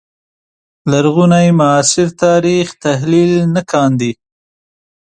لرغوني معاصر تاریخ تحلیل نه کاندي